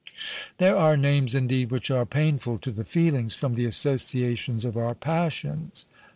There are names indeed which are painful to the feelings, from the associations of our passions.